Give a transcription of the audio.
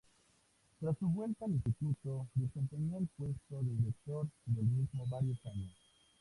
Tras su vuelta al Instituto desempeñó el puesto de director del mismo varios años.